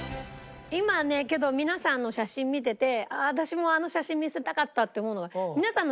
今ねけど皆さんの写真見ててああ私もあの写真見せたかったって思うのが。